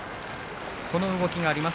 この動きがあります